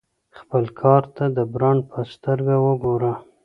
خپل کار ته د برانډ په سترګه وګوره.